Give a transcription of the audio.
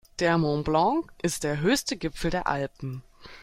Der Mont Blanc ist der höchste Gipfel der Alpen.